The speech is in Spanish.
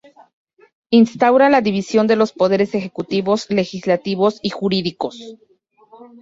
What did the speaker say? Instaura la división de los poderes ejecutivos, legislativos y jurídicos.